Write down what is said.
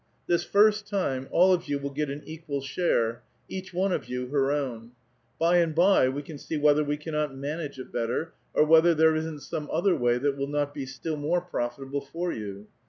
This first time, all of you will get an equal share ; each one of you her own. By and by we can see whether we cannot manage it better, or whether tliere isn*t some otlier way tliat will not be still more profitable for you."